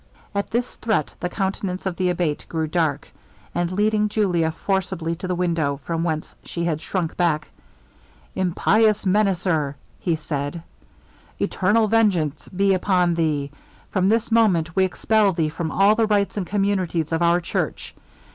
At this threat the countenance of the Abate grew dark: and leading Julia forcibly to the window, from which she had shrunk back, 'Impious menacer!' said he, 'eternal vengeance be upon thee! From this moment we expel thee from all the rights and communities of our church.